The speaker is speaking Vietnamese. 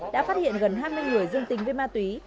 đã phát hiện gần hai mươi người dương tính với ma túy